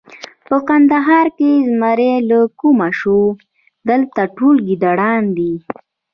په کندهار کې زمری له کومه شو! دلته ټول ګیدړان دي.